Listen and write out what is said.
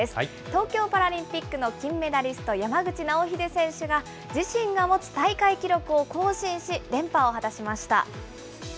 東京パラリンピックの金メダリスト、山口尚秀選手が、自身が持つ大会記録を更新し、連覇を果たしました。